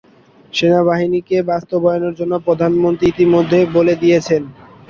সেনাবাহিনীকে বাস্তবায়নের জন্য প্রধানমন্ত্রী ইতিমধ্যে বলে দিয়েছেন।